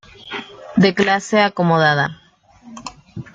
De clase acomodada.